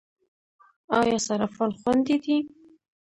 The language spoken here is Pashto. آیا صرافان خوندي دي؟